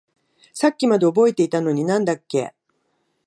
さっきまで覚えていたのに何だっけ？